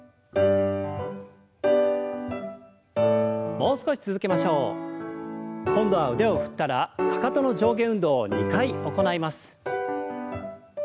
もう少し続けましょう。今度は腕を振ったらかかとの上下運動を２回行います。